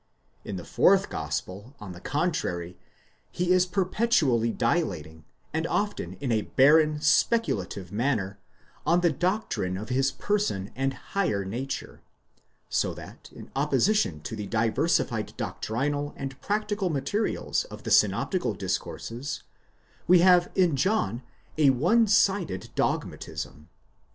In the fourth gospel, on the contrary, he is perpetually dilating, and often in a barren, speculative manner, on the doctrine of his person and higher nature : so that in opposition to the diversified doctrinal and practical materials of the synoptical discourses, we have in John a one sided dogmatism.!